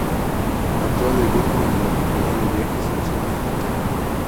Actúa de vínculo entre la compañía de viajes y los clientes del hotel.